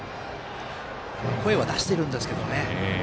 声は出しているんですけどね。